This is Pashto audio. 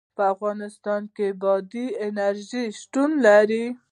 په افغانستان کې بادي انرژي شتون لري.